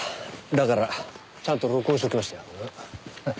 だからちゃんと録音しときました。